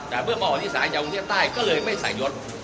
แต่เมื่อมาขออธิษฐานยาวงุ่งเทียบใต้ก็เลยไม่สายยศ